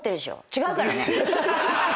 違うからね。